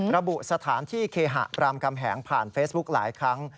ระบุสถานที่เคหะรามคำแหงผ่านเฟซบุ๊คหลายครั้ง